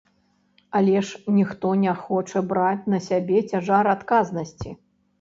Але ж ніхто не хоча браць на сябе цяжар адказнасці.